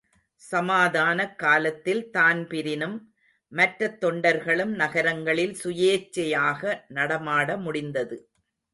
சமாதானக் காலத்தில் தான்பிரினும் மற்றத் தொண்டர்களும் நகரங்களில் சுயேச்சையாக நடமாட முடிந்தது.